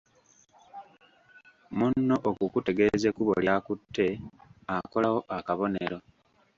Munno okukutegeeza ekkubo ly'akutte, akolawo akabonero.